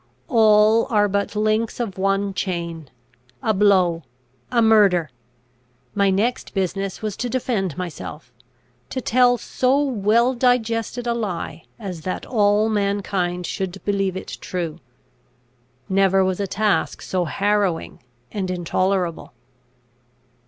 "All are but links of one chain. A blow! A murder! My next business was to defend myself, to tell so well digested a lie as that all mankind should believe it true. Never was a task so harrowing and intolerable!